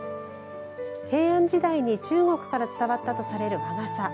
平安時代に中国から伝わったとされる和傘。